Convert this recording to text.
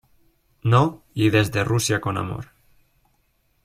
No" y "Desde Rusia con amor".